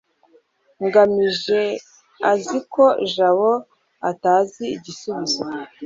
ngamije azi ko jabo atazi igisubizo